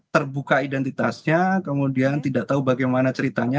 terbuka identitasnya kemudian tidak tahu bagaimana ceritanya